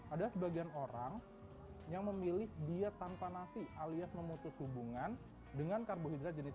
ada sebagian orang yang memilih diet tanpa nasi alias memutus hubungan dengan karbohidrat jenis